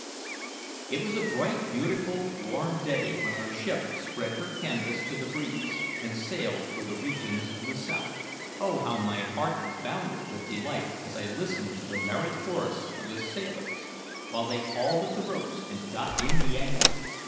It was a bright, beautiful, warm day when our ship spread her canvas to the breeze and sailed for the regions of the south. Oh, how my heart bounded with delight as I listened to the merry chorus of the sailors while they hauled at the ropes and got in the anchor!